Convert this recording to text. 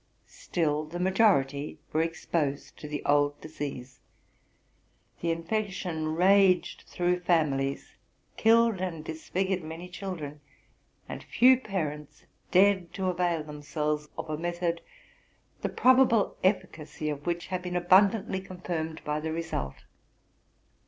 Still, the majority were exposed to the old disease : the infection raged through families, killed and disfigured many children; and few parents dared to avail themselves of a method, the probable eflicacy of which had been abun dantly confirmed by the result.